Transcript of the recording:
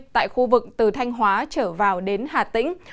tại khu vực từ thanh hóa trở vào đến hà tĩnh